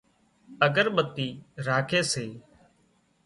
اڳرٻتي راکي سي